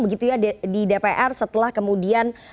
begitu ya di dpr setelah kemudian